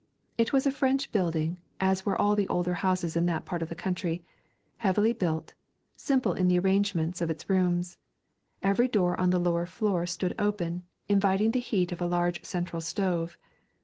It was a French building, as were all the older houses in that part of the country, heavily built, simple in the arrangements of its rooms. Every door on the lower floor stood open, inviting the heat of a large central stove.